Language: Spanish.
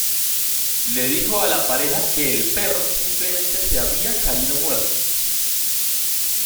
Le dijo a la pareja que el perro simplemente se había caído muerto.